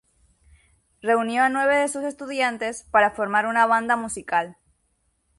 Reunió a nueve de sus estudiantes para formar una banda musical.